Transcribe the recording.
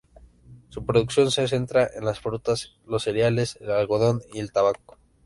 Su producción se centra en las frutas, los cereales, el algodón y el tabaco.